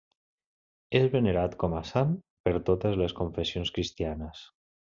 És venerat com a sant per totes les confessions cristianes.